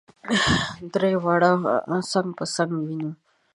درې واړه څنګ په څنګ وینو.